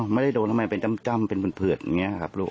ไม่ได้โดนทำไมเป็นจ้ำเป็นเพื่อนอย่างนี้ครับลูก